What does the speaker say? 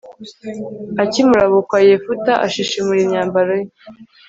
akimurabukwa, yefute ashishimura imyambaro ye